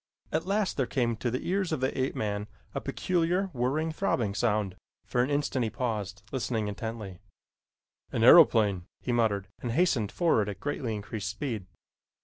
At last there came to the ears of the ape man a peculiar whirring, throbbing sound. For an instant he paused, listening intently, "An aeroplane!" he muttered, and hastened forward at greatly increased speed.